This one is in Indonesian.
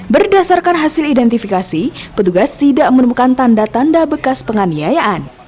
berdasarkan hasil identifikasi petugas tidak menemukan tanda tanda bekas penganiayaan